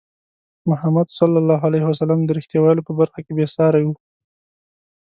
محمد صلى الله عليه وسلم د رښتیا ویلو په برخه کې بې ساری وو.